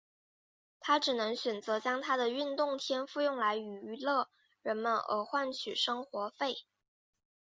他只能选择将他的运动天赋用来娱乐人们而换取生活费。